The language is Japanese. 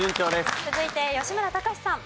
続いて吉村崇さん。